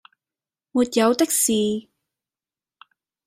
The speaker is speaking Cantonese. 「沒有的事……」